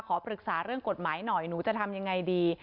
ขอปรึกษาเรื่องกฎหมายหน่อยหนูจะทำยังไงดี